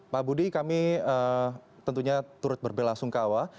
pak budi kami tentunya turut berbela sungkawa